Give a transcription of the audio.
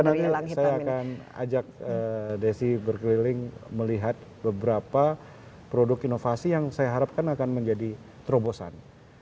nanti saya akan ajak desi berkeliling melihat beberapa produk inovasi yang saya harapkan akan menjadi terobosan